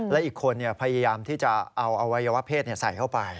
และอีกคนพยายามที่จะเอาอวัยวะเพศใส่เข้าไป